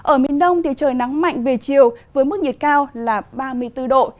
ở miền đông thì trời nắng mạnh về chiều với mức nhiệt cao là ba mươi bốn độ